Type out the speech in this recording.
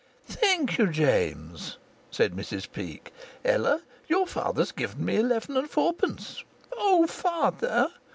"Thank you, James," said Mrs Peake. "Ella, your father's given me eleven and fourpence." "Oh, father!"